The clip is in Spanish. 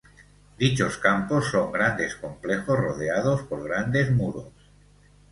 Dichos campos son grandes complejos rodeados por grandes muros.